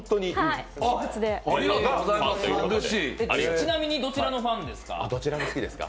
ちなみにどちらが好きですか？